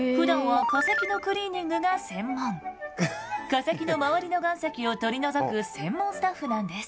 化石の周りの岩石を取り除く専門スタッフなんです。